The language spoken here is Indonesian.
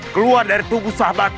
keluar dari tubuh sahabatku